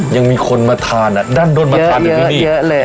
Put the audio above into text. ยังมีคนมาทานอ่ะด้านบนมาทานอยู่ที่นี่เยอะเลย